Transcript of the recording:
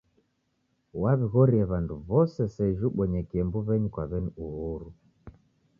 Waw'ighorie w'andu w'ose seji ibonyekie mbuw'enyi kwa w'eni Uhuru.